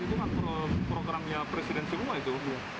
itu kan programnya presiden semua itu